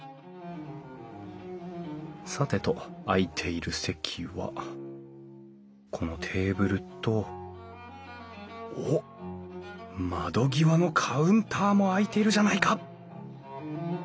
さてと空いている席はこのテーブルとおっ窓際のカウンターも空いているじゃないか！